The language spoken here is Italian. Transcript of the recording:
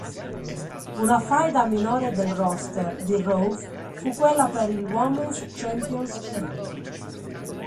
Una faida minore del "roster" di "Raw" fu quella per il Women's Championship.